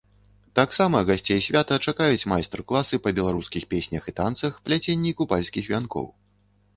Таксама гасцей свята чакаюць майстар-класы па беларускіх песнях і танцах, пляценні купальскіх вянкоў.